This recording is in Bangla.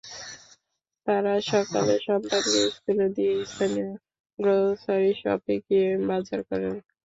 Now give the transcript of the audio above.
তারা সকালে সন্তানকে স্কুলে দিয়ে স্থানীয় গ্রোসারি শপে গিয়ে বাজার করেন।